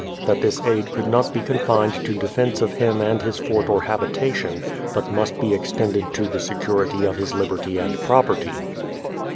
That this aid could not be confined to defence of him and his fort or habitation, but must be extended to the security of his liberty and property.